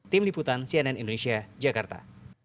tim liputan cnn indonesia jakarta